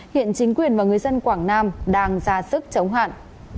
hiện chính quyền và người dân quảng nam đang ra sức chống hạn